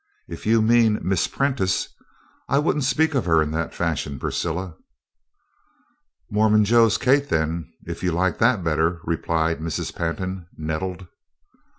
"If you mean Miss Prentice, I wouldn't speak of her in that fashion, Priscilla." "Mormon Joe's Kate, then, if you like that better," replied Mrs. Pantin, nettled.